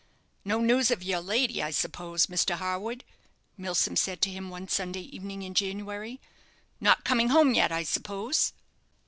"No news of your lady, I suppose, Mr. Harwood?" Milsom said to him one Sunday evening in January. "Not coming home yet, I suppose?"